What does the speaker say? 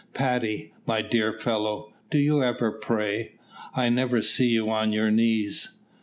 Paddy, my dear fellow, do you ever pray? I never see you on your knees."